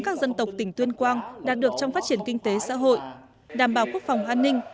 các dân tộc tỉnh tuyên quang đạt được trong phát triển kinh tế xã hội đảm bảo quốc phòng an ninh